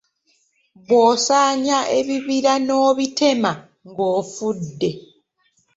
Bw’osaanya ebibira n’obitema ng’ofudde.